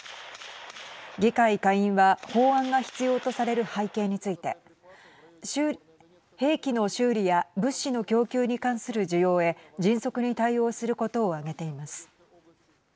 議会下院は法案が必要とされる背景について兵器の修理や物資の供給に関する需要へ迅速に対応することを挙げています。